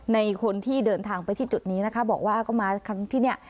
ในคนที่เดินทางไปที่จุดนี้นะคะบอกว่าก็มาครั้งที่เนี่ย